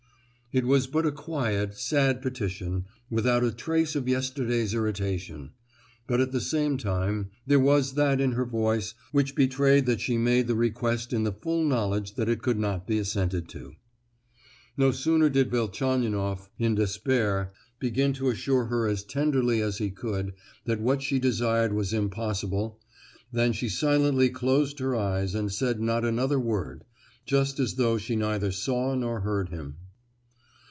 It was but a quiet, sad petition—without a trace of yesterday's irritation; but at the same time there was that in her voice which betrayed that she made the request in the full knowledge that it could not be assented to. No sooner did Velchaninoff, in despair, begin to assure her as tenderly as he could that what she desired was impossible, than she silently closed her eyes and said not another word, just as though she neither saw nor heard him.